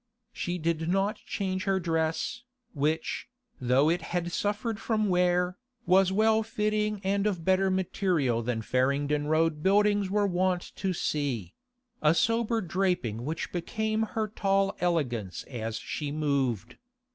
She did not change her dress, which, though it had suffered from wear, was well fitting and of better material than Farringdon Road Buildings were wont to see; a sober draping which became her tall elegance as she moved.